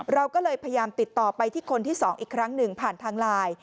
เราก็เลยพยายามติดต่อไปที่คนที่๒อีกครั้งหนึ่งผ่านทางไลน์